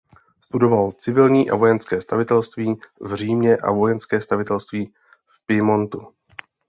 Studoval civilní a vojenské stavitelství v Římě a vojenské stavitelství v Piemontu.